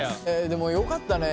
でもよかったね。